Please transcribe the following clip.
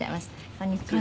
こんにちは。